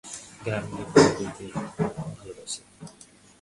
গ্রামের লোক ভয় করিতে ভালোবাসে।